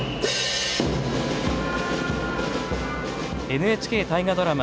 ＮＨＫ大河ドラマ